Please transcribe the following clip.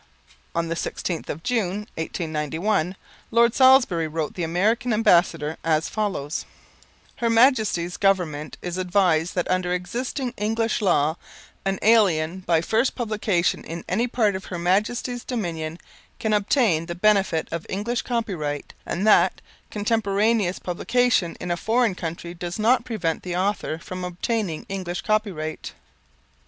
On the 16th of June, 1891, Lord Salisbury wrote the American Ambassador as follows: "Her Majesty's Government is advised that under existing English law an alien by first publication in any part of Her Majesty's Dominions can obtain the benefit of English copyright, and that contemporaneous publication in a foreign country does not prevent the author from obtaining English copyright."